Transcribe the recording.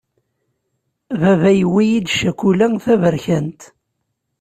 Baba yewwi-yi-d cakula taberkant.